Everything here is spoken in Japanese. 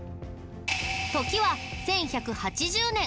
時は１１８０年。